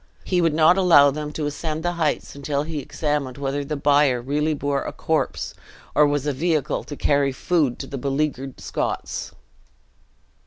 He would not allow them to ascend the heights until he had examined whether the bier really bore a corpse, or was a vehicle to carry food to the beleaguered Scots.